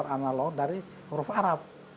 tetapi yang berlalu adalah huruf arab